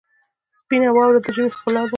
سپینه واوره د ژمي ښکلا ده.